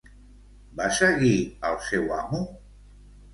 Va seguir al seu amo?